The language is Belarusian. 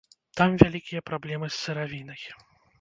Там вялікія праблемы з сыравінай.